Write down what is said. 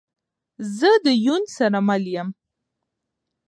زه ده یون سره مل یم